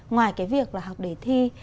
ngoài cái việc là học để thi